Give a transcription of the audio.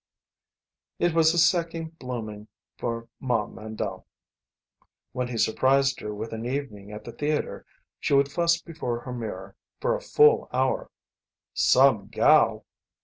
It was a second blooming for Ma Mandle. When he surprised her with an evening at the theatre she would fuss before her mirror for a full hour. "Some gal!"